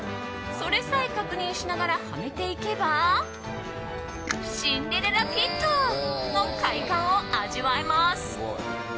それさえ確認しながらはめていけばシンデレラフィットの快感を味わえます。